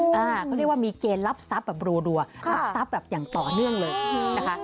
เขาเรียกว่ามีเกณฑ์รับทรัพย์แบบรัวรับทรัพย์แบบอย่างต่อเนื่องเลยนะคะ